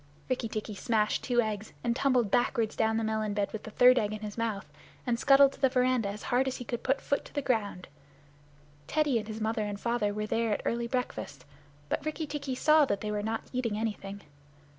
Rikki tikki smashed two eggs, and tumbled backward down the melon bed with the third egg in his mouth, and scuttled to the veranda as hard as he could put foot to the ground. Teddy and his mother and father were there at early breakfast, but Rikki tikki saw that they were not eating anything.